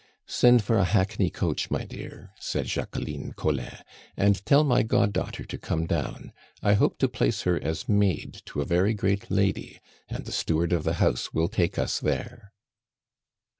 "Send for a hackney coach, my dear," said Jacqueline Collin, "and tell my god daughter to come down. I hope to place her as maid to a very great lady, and the steward of the house will take us there."